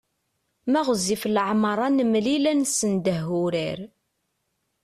Ma ɣezzif leɛmeṛ ad nemlil ad nessendeh urar.